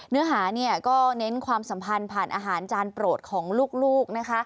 เนื้อหาเนี่ยก็เน้นความสัมพันธ์ผ่านอาหารจานโปรดของลูกนะคะ